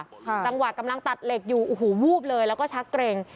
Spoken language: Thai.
จังหวะกำลังตัดเหล็กอยู่โอ้โหวูบเลยแล้วก็ชักเกร็ง